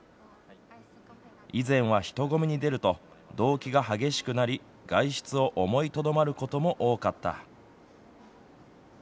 以前は、人混みに出るとどうきが激しくなり外出を思いとどまることも多かった。